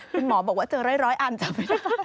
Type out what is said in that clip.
คุณหมอบอกว่าเจอร้อยอันจำไม่ได้